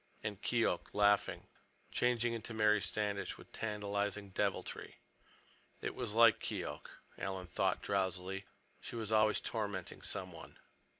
And Keok, laughing, changed into Mary Standish with tantalizing deviltry. It was like Keok, Alan thought drowsily—she was always tormenting someone.